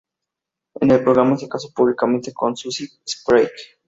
En el programa se casó públicamente con Susie Sprague.